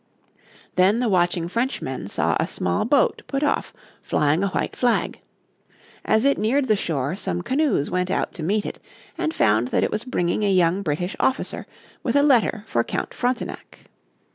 Then the watching Frenchmen saw a small boat put off, flying a white flag. As it neared the shore some canoes went out to meet it and found that it was bringing a young British officer with a letter for Count Frontenac.